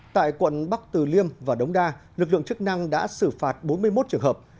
tại quận bắc từ liêm và đống đa lực lượng chức năng đã xử phạt bốn mươi một trường hợp